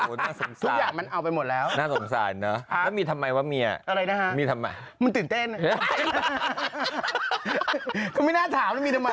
ทุกอย่างมันเอาไปหมดแล้วน่าสงสารเนอะแล้วมีทำไมว่าเมียมีทำไมอะไรนะฮะมันตื่นเต้นน่ะ